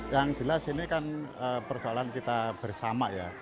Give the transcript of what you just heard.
yang jelas ini kan persoalan kita bersama ya